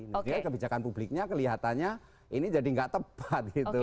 jadi kebijakan publiknya kelihatannya ini jadi nggak tepat gitu